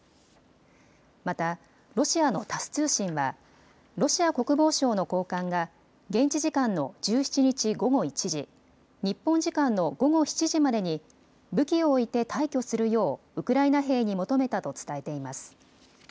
また、ロシアのタス通信はロシア国防省の高官が現地時間の１７日午後１時日本時間の午後７時までに武器を置いて退去するようウクライナ兵に求めたと伝えています。